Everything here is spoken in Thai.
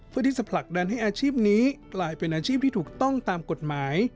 เพื่อที่จะผลักดันให้อาชีพนี้กลายเป็นอาชีพที่ถูกต้องตามกฎหมาย